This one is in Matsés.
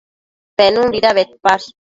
Penunbida bedpash?